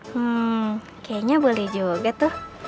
hmm kayaknya boleh juga tuh